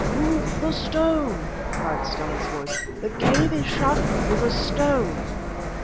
"Move the stone," cried Stella's voice, "the cave is shut with a stone."